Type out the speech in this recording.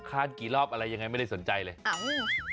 กี่รอบอะไรยังไงไม่ได้สนใจเลยอ่าอืม